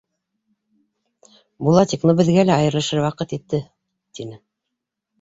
— Булатик, ну, беҙгә лә айырылышыр ваҡыт етте, — тине.